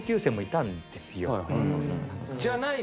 じゃない。